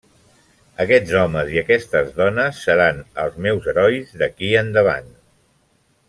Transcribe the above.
Aquests homes i aquestes dones seran els meus herois d'aquí endavant.»